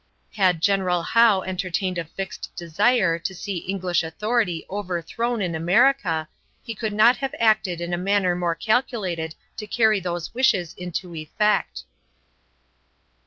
Had General Howe entertained a fixed desire to see English authority overthrown in America he could not have acted in a manner more calculated to carry those wishes into effect.